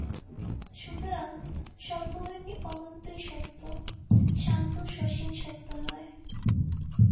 সুতরাং সর্বব্যাপী অনন্তই সত্য, সান্ত সসীম সত্য নয়।